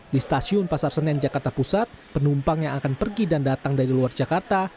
di stasiun pasar senen jakarta pusat penumpang yang akan pergi dan datang dari luar jakarta